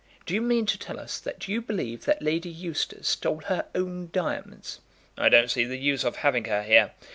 Do you mean to tell us that you believe that Lady Eustace stole her own diamonds?" "I don't see the use of having her here.